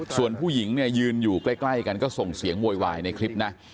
ส่วนผู้หญิงเนี่ยยืนอยู่ใกล้กันก็ส่งเสียงโวยวายในคลิปนะ